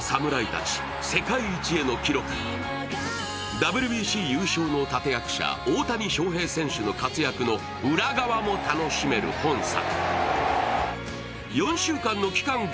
ＷＢＣ優勝の立役者・大谷翔平選手の活躍の裏側も楽しめる本作。